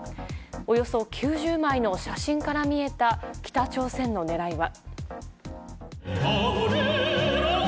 およそ９０枚の写真から見えた北朝鮮の狙いは。